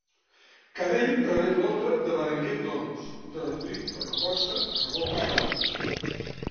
Cadell rebé l'ordre de Berenguer d'Oms de reduir per la força la Revolta Forana.